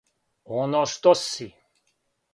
Оно што си.